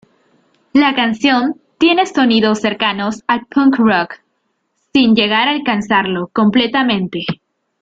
La canción tiene sonidos cercanos al punk rock sin llegar a alcanzarlo completamente.